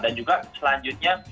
dan juga selanjutnya